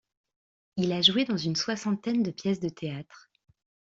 Il a joué dans une soixantaine de pièces de théâtre.